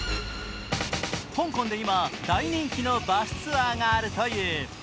香港で今、大人気のバスツアーがあるという。